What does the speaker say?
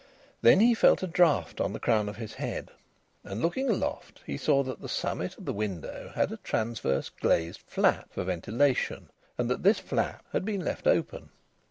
Then he felt a draught on the crown of his head, and looking aloft he saw that the summit of the window had a transverse glazed flap, for ventilation, and that this flap had been left open.